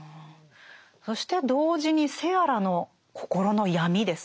そして同時にセアラの心の闇ですよね。